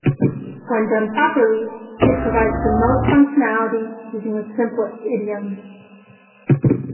When done properly, it provides the most functionality using the simplest idioms.